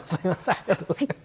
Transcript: ありがとうございます。